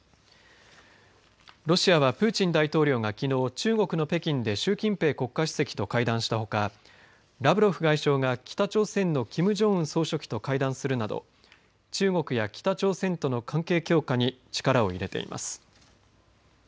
ロシアはプーチン大統領がきのう中国の北京で習近平国家主席と会談したほかラブロフ外相が北朝鮮のキム・ジョンウン総書記と会談するなど中国や北朝鮮との関係強化に力を入れています。